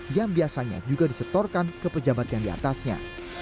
yang biasanya juga disetorkan ke pejabat yang diatasnya